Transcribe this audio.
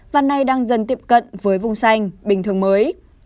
và nay đang dần tiệm cận với vùng xanh bình thường mới